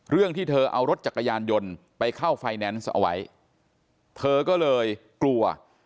ที่เธอเอารถจักรยานยนต์ไปเข้าไฟแนนซ์เอาไว้เธอก็เลยกลัว